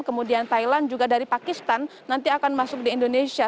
kemudian thailand juga dari pakistan nanti akan masuk di indonesia